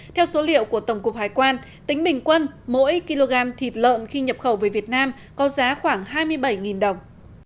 theo số liệu của tổng cục hải quan tính bình quân mỗi kg thịt lợn khi nhập khẩu về việt nam có giá khoảng hai mươi bảy đồng